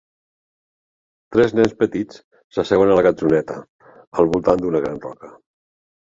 Tres nens petits s'asseuen a la gatzoneta al voltant d'una gran roca.